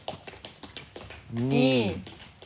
２。